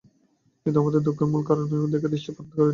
কিন্তু আমরা দুঃখের মূল কারণের দিকে দৃষ্টিপাত করি না।